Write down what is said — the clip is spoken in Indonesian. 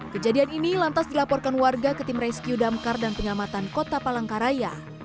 kejadian ini lantas dilaporkan warga ke tim rescue damkar dan penyelamatan kota palangkaraya